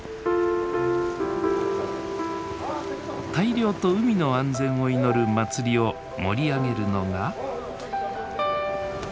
大漁と海の安全を祈る祭りを盛り上げるのが。